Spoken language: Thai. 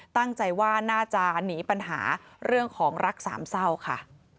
ตั้งใจว่าน่าจะหนีปัญหาเรื่องของรักสามเศร้าค่ะ